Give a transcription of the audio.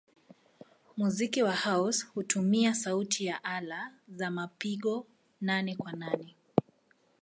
Muziki wa house hutumia sauti ya ala za mapigo nane-kwa-nane.